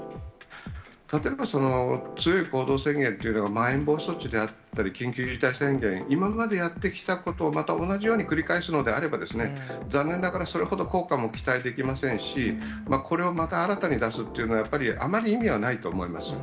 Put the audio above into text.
例えば強い行動制限というのは、まん延防止措置であったり、緊急事態宣言、今までやってきたことを、また同じように繰り返すのであれば、残念ながらそれほど効果も期待できませんし、これをまた新たに出すっていうのは、やっぱりあまり意味はないと思います。